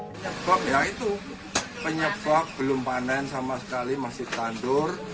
penyebab ya itu penyebab belum panen sama sekali masih tandur